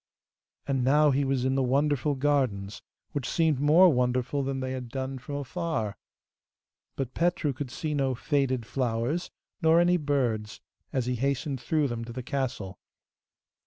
And now he was in the wonderful gardens, which seemed more wonderful still than they had done from afar. But Petru could see no faded flowers, nor any birds, as he hastened through them to the castle.